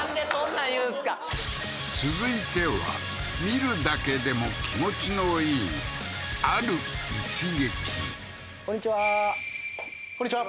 なん言うんですか続いては見るだけでも気持ちの良いある一撃こんにちはこんにちは